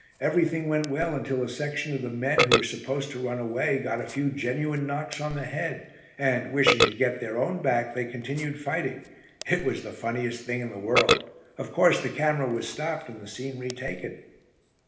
Everything went well until a section of the men, who were supposed to run away, got a few genuine knocks on the head and, wishing to get their own back, they continued fighting. It was the funniest thing in the world. Of course the camera was stopped, and the scene retaken."